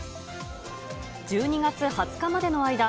１２月２０日までの間、